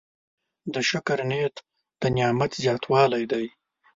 د شکر نیت د نعمت زیاتوالی دی.